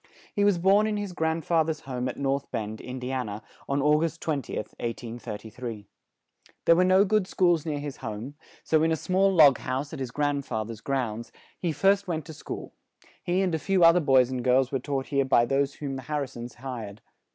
He was born in his grand fa ther's home at North Bend, In di an a, on Au gust 20th, 1833. There were no good schools near his home; so in a small log house, in his grand fa ther's grounds, he first went to school; he and a few oth er boys and girls were taught here by those whom the Har ri sons hired.